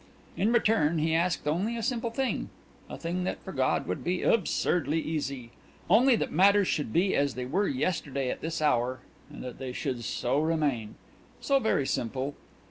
In return he asked only a simple thing, a thing that for God would be absurdly easy only that matters should be as they were yesterday at this hour and that they should so remain. So very simple!